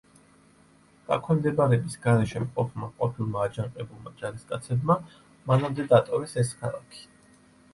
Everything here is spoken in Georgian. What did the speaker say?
დაქვემდებარების გარეშე მყოფმა ყოფილმა აჯანყებულმა ჯარისკაცებმა მანამდე დატოვეს ეს ქალაქი.